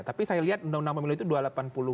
tapi saya lihat undang undang pemilu itu